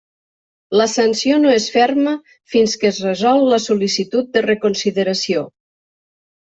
La sanció no és ferma fins que es resol la sol·licitud de reconsideració.